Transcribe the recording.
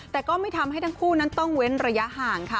แต่ก็ไม่ทำให้ทั้งคู่นั้นต้องเว้นระยะห่างค่ะ